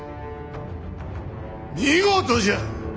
見事じゃ！